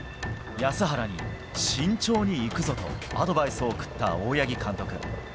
安原に、慎重にいくぞとアドバイスを送った大八木監督。